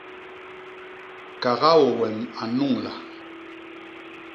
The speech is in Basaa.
Kakaô wem a nnuñla.